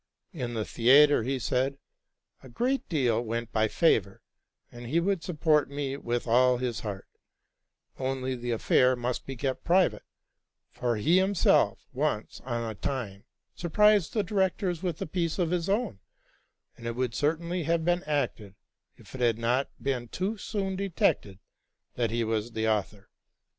In the theatre, he said, great deal went by favor; and he would support me with all his heart: only the affair must be kept private ; for he had himself once on a time surprised the directors with a piece of his own, and it would certainly have been acted if it had not been too soon detected that he was the author.